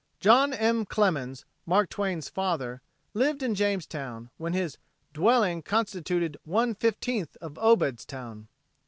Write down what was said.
John M. Clemens, Mark Twain's father, lived in Jamestown when his "dwelling constituted one fifteenth of Obedstown."